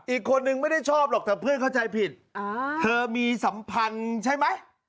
อีกคนนึงไม่ได้ชอบหรอกแต่เพื่อนเข้าใจผิดเธอมีสัมพันธ์ใช่ไหม